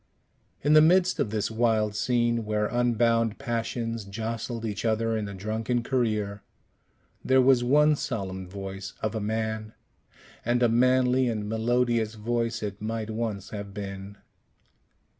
In the midst of this wild scene, where unbound passions jostled each other in a drunken career, there was one solemn voice of a man, and a manly and melodious voice it might once have been.